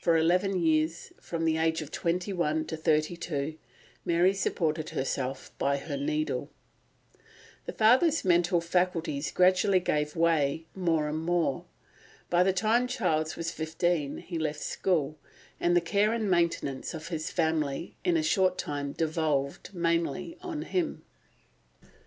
For eleven years, from the age of twenty one to thirty two, Mary supported herself by her needle. The father's mental faculties gradually gave way more and more. By the time Charles was fifteen he left school, and the care and maintenance of his family in a short time devolved mainly on him.